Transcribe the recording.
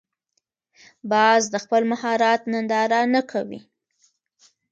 باز د خپل مهارت ننداره نه کوي